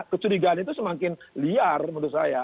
kecurigaan itu semakin liar menurut saya